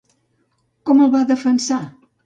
Com el va defensar?